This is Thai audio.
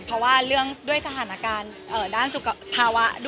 เพราะว่าด้วยสถานะการณ์ด้านศูกภาวะ